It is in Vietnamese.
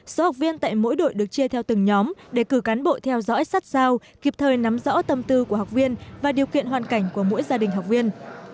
số học viên tại mỗi đội được chia theo từng nhóm để cử cán bộ theo dõi sát sao kịp thời nắm rõ tâm tư của học viên và điều kiện hoàn cảnh của mỗi gia đình học viên